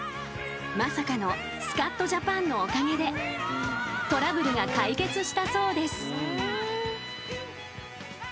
［まさかの『スカッとジャパン』のおかげでトラブルが解決したそうです］